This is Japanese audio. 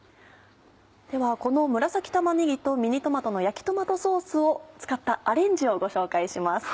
ではこの紫玉ねぎとミニトマトの焼きトマトソースを使ったアレンジをご紹介します。